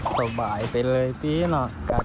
สบายไปเลยพี่น้อง